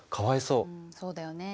うんそうだよね。